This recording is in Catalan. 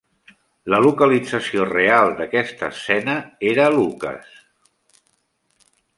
La localització real d'aquesta escena era Lucas.